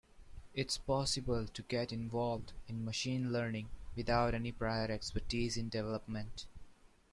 It's possible to get involved in machine learning without any prior expertise in development.